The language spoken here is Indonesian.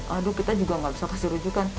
aduh kita juga nggak bisa kasih rujukan